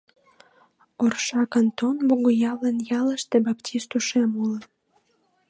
Орша кантон, Богоявлен ялыште баптист ушем уло.